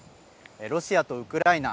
ロシアとウクライナ